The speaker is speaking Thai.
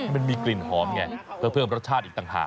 มันมีกลิ่นหอมไงเพื่อเพิ่มรสชาติอีกต่างหาก